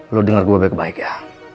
lo dengar gue baik baik ya